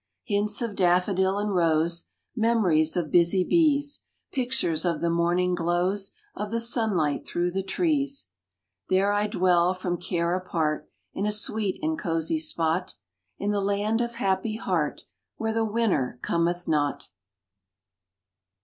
Hints of daffodil and rose, Memories of busy bees ; Pictures of the morning glows Of the sunlight through the trees. There I dwell from care apart, In a sweet and cozy spot In the Land of Happy Heart, Where the winter cometh not